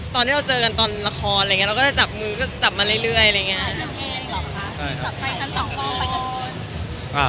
ตอนที่เราเจอกันตอนละครเราก็จะจับมือก็จับมันเรื่อยเยอะไง